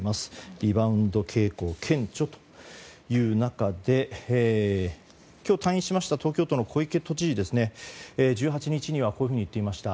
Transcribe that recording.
リバウンド傾向が顕著という中で今日退院しました東京都の小池都知事は１８日にはこういうふうに言っていました。